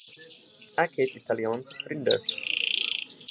Ek het Italiaanse vriende